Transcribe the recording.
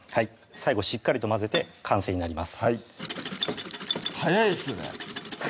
最後しっかりと混ぜて完成になります早いですね